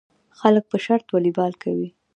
خلک په شرط والیبال کوي.